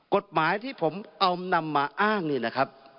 กฎหมายที่ผมเอานำมาอ้างนี่นะครับ